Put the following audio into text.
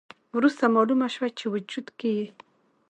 وروسته مالومه شوه چې وجود کې یې